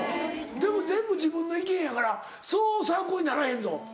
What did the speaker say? でも全部自分の意見やからそう参考にならへんぞ。